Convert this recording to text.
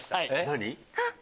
何？